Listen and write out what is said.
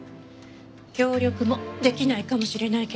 協力もできないかもしれないけど。